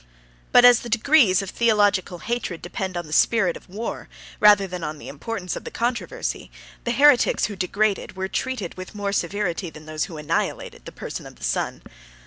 But as the degrees of theological hatred depend on the spirit of the war, rather than on the importance of the controversy, the heretics who degraded, were treated with more severity than those who annihilated, the person of the Son.